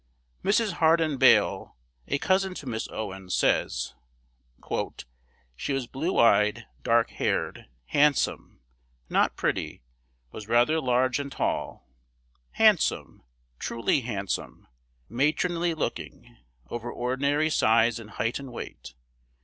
Mrs. Hardin Bale, a cousin to Miss Owens, says "she was blue eyed, dark haired, handsome, not pretty, was rather large and tall, handsome, truly handsome, matronly looking, over ordinary size in height and weight....